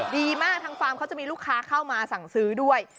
ดีมากทางฟาร์มเขาจะมีลูกค้าเข้ามาสั่งซื้อด้วย